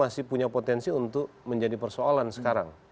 masih punya potensi untuk menjadi persoalan sekarang